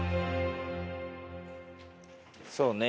そうね。